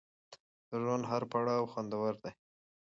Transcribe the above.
د ژوند هر پړاو خوندور دی.